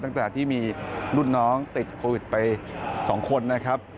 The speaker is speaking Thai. ตั้งแต่ที่มีรุ่นน้องติดโควิดไป๒คนนะครับ